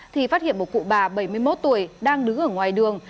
thì phát hiện một cụ bà bảy mươi một tuổi đang đứng ở ngoài đường